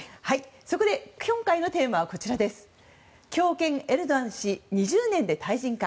そこで、今回のテーマは強権エルドアン氏２０年で退陣か。